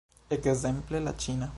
Ekzemple, la ĉina.